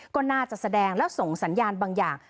ก็น่าจะแสดงแล้วส่งสัญญาณบางอย่าง